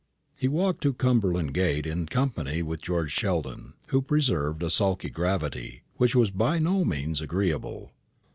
He walked to Cumberland gate in company with George Sheldon, who preserved a sulky gravity, which was by no means agreeable.